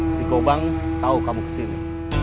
si kobang tahu kamu kesini